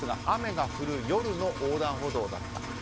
雨が降る夜の横断歩道だった。